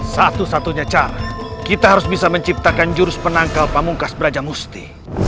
satu satunya cara kita harus bisa menciptakan jurus penangkal pamungkas brajamusti